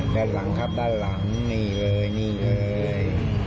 ด้านหลังครับด้านหลังนี่เลยนี่เลย